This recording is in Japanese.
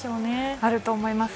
あると思います。